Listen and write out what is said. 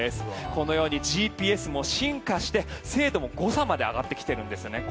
このようにＧＰＳも進化して精度も上がってきてるんですよ。